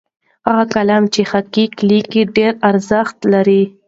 هغه قلم چې حقایق لیکي ډېر ارزښت لري.